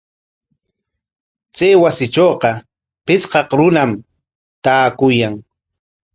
Chay wasitrawqa pichqaq runam taakuyan.